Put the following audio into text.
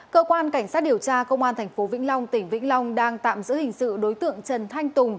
cơ quan cảnh sát điều tra công an tp vĩnh long tỉnh vĩnh long đang tạm giữ hình sự đối tượng trần thanh tùng